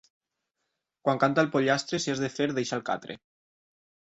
Quan canta el pollastre, si has de fer, deixa el catre.